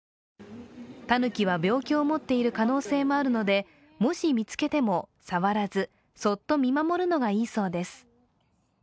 たぬきは病気を持っている可能性があるのでもし見つけても触らずそっと見守るのがいいそうです。